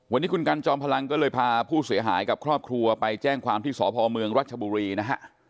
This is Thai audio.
วันนี้คุณกันจอมพลังก็เลยพาผู้เสียหายกับครอบครัวไปแจ้งความที่สพเมืองรัชบุรีนะฮะ